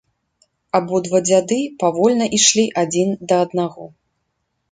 Абодва дзяды павольна ішлі адзін да аднаго.